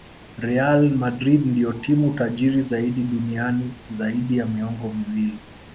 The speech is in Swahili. real madrid ndio timu tajiri zaidi duniani zaidi ya miongo miwili